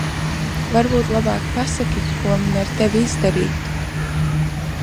Varbūt labāk pasaki, ko man ar tevi izdarīt?